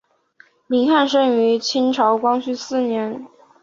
林翰生于清朝光绪四年。